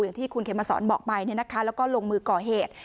อย่างที่คุณเขมสอนบอกไปแล้วก็ลงมือก่อเหตุ